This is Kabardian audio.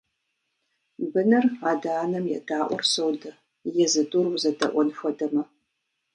Быныр адэ-анэм едаӀуэр содэ, езы тӀур узэдэӀуэн хуэдэмэ.